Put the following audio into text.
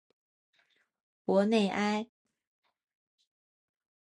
博内埃。